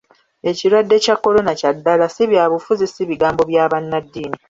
Ekirwadde kya korona kya ddala, si byabufuzi, si bigambo bya bannaddiini .